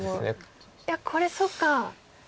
いやこれそっか。